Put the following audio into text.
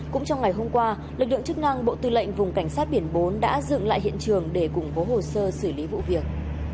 cũng trong ngày hôm qua lực lượng chức năng bộ tư lệnh vùng cảnh sát biển bốn đã dựng lại hiện trường để củng cố hồ sơ xử lý vụ việc